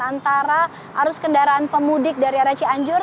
antara arus kendaraan pemudik dari arah cianjur